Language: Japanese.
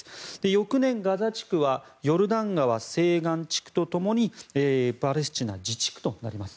翌年、ガザ地区はヨルダン川西岸地区とともにパレスチナ自治区となります。